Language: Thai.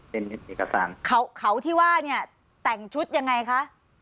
เป็นเอกสารเขาเขาที่ว่าเนี่ยแต่งชุดยังไงคะ